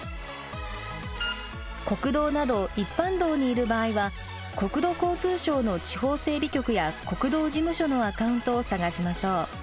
国道など一般道にいる場合は国土交通省の地方整備局や国道事務所のアカウントを探しましょう。